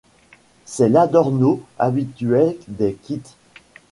C'est l'adorno habituel des quites.